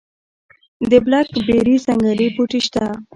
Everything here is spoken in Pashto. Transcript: د بلک بیري ځنګلي بوټي شته؟